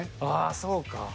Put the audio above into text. ああそうか。